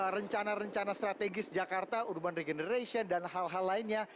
rencana rencana strategis jakarta urban regeneration dan hal hal lainnya